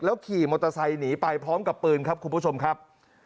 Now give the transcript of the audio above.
ขี่มอเตอร์ไซค์หนีไปพร้อมกับปืนครับคุณผู้ชมครับ